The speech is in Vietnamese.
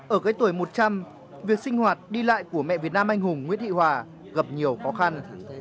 ở cái tuổi một trăm linh việc sinh hoạt đi lại của mẹ việt nam anh hùng nguyễn thị hòa gặp nhiều khó khăn